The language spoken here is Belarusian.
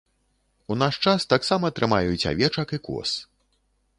У наш час таксама трымаюць авечак і коз.